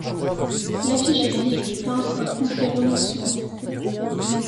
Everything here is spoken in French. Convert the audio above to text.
L’affiche exige du peintre un complet renoncement.